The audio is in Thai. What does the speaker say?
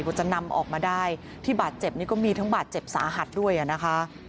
จะนำออกมาได้ที่บาดเจ็บนี่ก็มีทั้งบาดเจ็บสาหัสด้วยอ่ะนะคะ